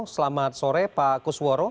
selamat sore pak kusworo